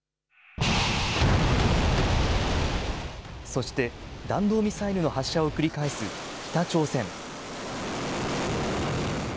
そして、弾道ミサイルの発射を繰り返す北朝鮮。